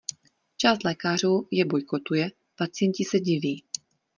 Část lékařů je bojkotuje, pacienti se diví.